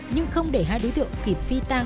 nhưng không để hai đối tượng kịp phi tăng